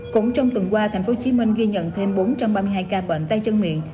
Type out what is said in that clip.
cũng trong tuần qua tp hcm ghi nhận thêm bốn trăm ba mươi hai ca bệnh tay chân miệng